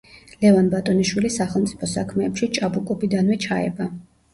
ლევან ბატონიშვილი სახელმწიფო საქმეებში ჭაბუკობიდანვე ჩაება.